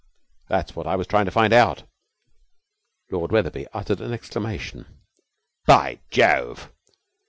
'That's what I was trying to find out.' Lord Wetherby uttered an exclamation. 'By Jove!'